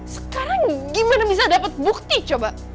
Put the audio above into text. sekarang gimana bisa dapat bukti coba